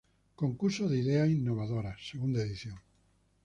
Concurso de Ideas Innovadoras, segunda edición.